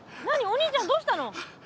お兄ちゃんどうしたの？